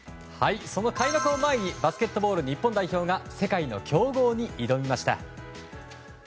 開幕を前にバスケットボール日本代表が世界の強豪に挑みました。